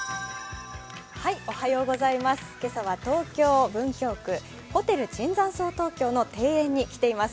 今朝は東京・文京区ホテル椿山荘東京の庭園に来ています。